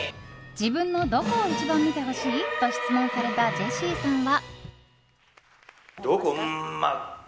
自分のどこを一番見てほしい？と質問されたジェシーさんは。